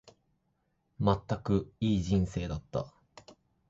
まったく、いい人生だった。